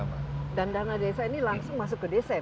dan dana desa ini langsung masuk ke desa ya